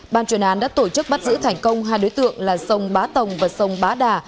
ban chuyên án đã tổ chức bắt giữ thành công hai đối tượng là sông bá tồng và sông bá đà